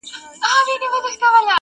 چي د ژوند پیکه رنګونه زرغونه سي,